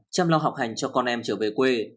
chăm lo học hành cho con em trở về quê